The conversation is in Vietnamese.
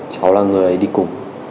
cháu là người đi cùng